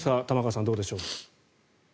玉川さん、どうでしょう。